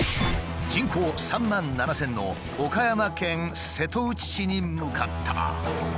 人口３万７，０００の岡山県瀬戸内市に向かった。